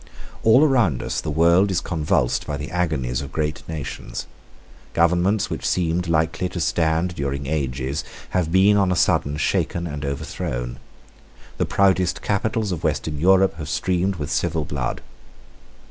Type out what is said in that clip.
All around us the world is convulsed by the agonies of great nations. Governments which lately seemed likely to stand during ages have been on a sudden shaken and overthrown. The proudest capitals of Western Europe have streamed with civil blood.